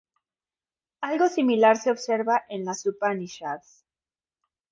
Algo similar se observa en las Upanishads.